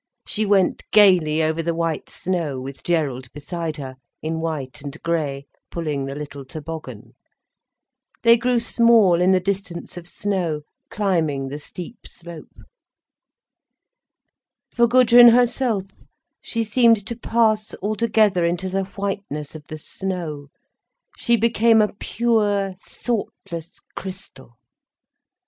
She went gaily over the white snow, with Gerald beside her, in white and grey, pulling the little toboggan. They grew small in the distance of snow, climbing the steep slope. For Gudrun herself, she seemed to pass altogether into the whiteness of the snow, she became a pure, thoughtless crystal.